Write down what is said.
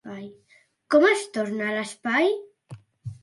Com es torna l'espai?